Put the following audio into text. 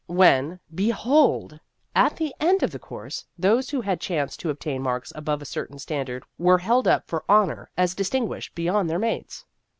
When, be hold ! at the end of the course, those who had chanced to obtain marks above a certain standard were held up for honor as distinguished beyond their mates.